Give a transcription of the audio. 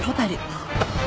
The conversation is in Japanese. あっ。